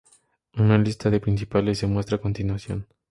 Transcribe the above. Una lista de las principales se muestra a continuación;